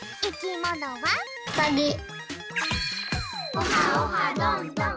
オハオハどんどん！